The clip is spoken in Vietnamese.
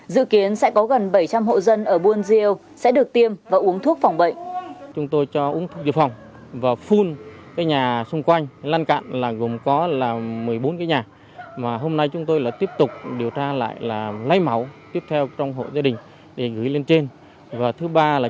dự kiến sẽ có gần bảy trăm linh hộ dân ở buôn diêu sẽ được tiêm và uống thuốc phòng bệnh